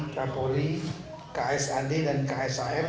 kapolri ksad dan ksar